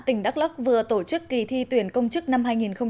tỉnh đắk lắk vừa tổ chức kỳ thi tuyển công chức năm hai nghìn một mươi sáu